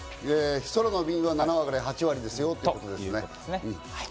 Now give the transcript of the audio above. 空の便は７割から８割ですよというね。